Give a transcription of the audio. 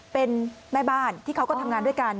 เป็นแม่บ้านที่เขาก็ทำงานด้วยกัน